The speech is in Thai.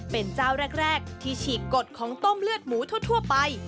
เป็นเจ้าแรกที่ฉีกกฎของต้มเลือดหมูทั่วไป